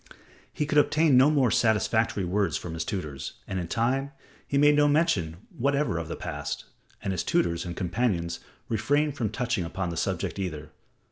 He could obtain no more satisfactory words from his tutors, and in time he made no mention whatever of the past, and his tutors and companions refrained from touching upon the subject either.